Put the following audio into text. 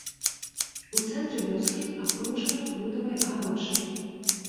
У цэнтры вёскі, абкружана бутавай агароджай.